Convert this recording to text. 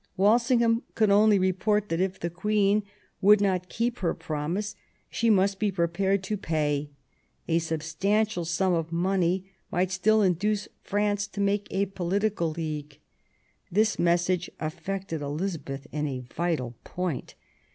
Walsingham could only* report that if the Queen would not keep her promise, she must be prepared to pay; a substantial sum of money might still induce France to make a political league. This message affected Elizabeth in a vital point.